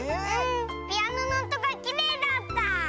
ピアノのおとがきれいだった。